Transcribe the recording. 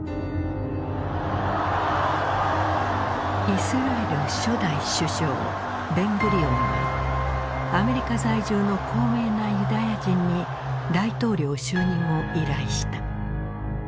イスラエル初代首相ベングリオンはアメリカ在住の高名なユダヤ人に大統領就任を依頼した。